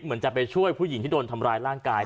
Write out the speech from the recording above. เหมือนจะไปช่วยผู้หญิงที่โดนทำร้ายร่างกาย